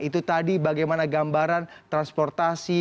itu tadi bagaimana gambaran transportasi